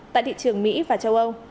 tại thị trường mỹ và châu âu